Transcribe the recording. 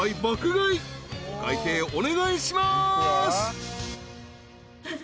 ［お会計お願いします］